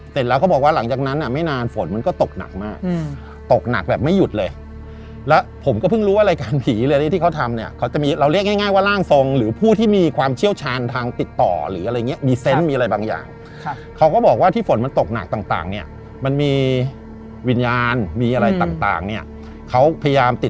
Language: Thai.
เสร็จแล้วเขาบอกว่าหลังจากนั้นอ่ะไม่นานฝนมันก็ตกหนักมากตกหนักแบบไม่หยุดเลยแล้วผมก็เพิ่งรู้ว่ารายการผีเลยที่เขาทำเนี่ยเขาจะมีเราเรียกง่ายง่ายว่าร่างทรงหรือผู้ที่มีความเชี่ยวชาญทางติดต่อหรืออะไรอย่างเงี้มีเซนต์มีอะไรบางอย่างเขาก็บอกว่าที่ฝนมันตกหนักต่างเนี่ยมันมีวิญญาณมีอะไรต่างเนี่ยเขาพยายามติด